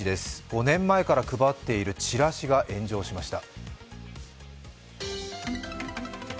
５年前から配っているチラシが炎上しました。